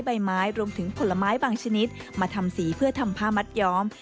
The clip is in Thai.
ใบไม้รวมถึงผลไม้บางชนิดมาทำสีเพื่อทำผ้ามัดย้อม